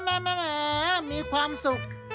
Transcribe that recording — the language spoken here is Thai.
แหมมีความสุข